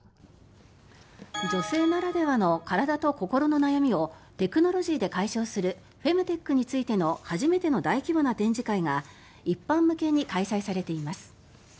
女性ならではの体と心の悩みをテクノロジーで解消するフェムテックについての初めての大規模な展示会が一般向けに開催されています。